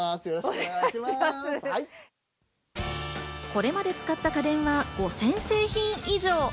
これまで使った家電は５０００製品以上。